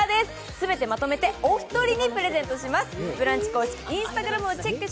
すべてまとめてお一人にプレゼントします。